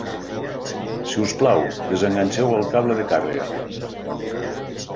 Si us plau, desenganxeu el cable de càrrega.